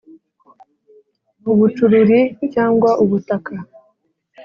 ubucururi cyangwa ubutaka